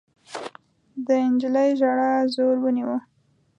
د نجلۍ ژړا زور ونيو.